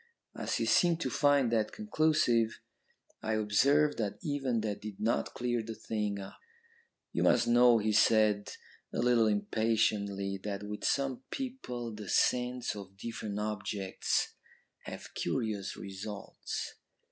"As he seemed to find that conclusive, I observed that even that did not clear the thing up. "'You must know,' he said a little impatiently, 'that with some people the scents of different objects have curious results.